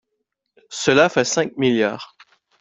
Cela fait cinq milliards